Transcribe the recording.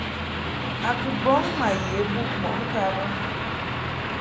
A kɨ bɔŋ ma ye bub mɔʼ ŋka bə.